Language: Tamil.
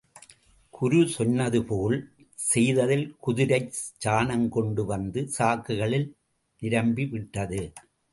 குரு சொன்னதுபோல் செய்ததில் குதிரைச் சாணம் கொண்டு வந்த சாக்குகளில் நிரம்பிவிட்டது.